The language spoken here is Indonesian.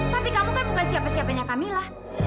papi kamu kan bukan siapa siapanya camilla